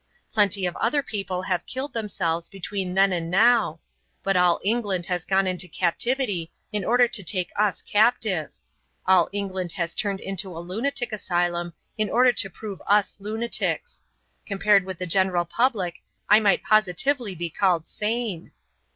Plenty of other people have killed themselves between then and now. But all England has gone into captivity in order to take us captive. All England has turned into a lunatic asylum in order to prove us lunatics. Compared with the general public, I might positively be called sane."